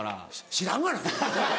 知らんがな。